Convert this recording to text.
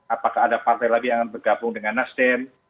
apakah ada partai lagi yang akan bergabung dengan nasdem